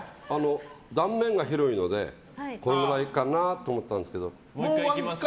断面が広いのでこのくらいかなと思ったんですけど。